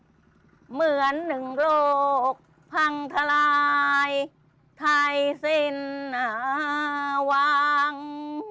เหมือนหนึ่งโรคพังทลายไทยสิ้นหวัง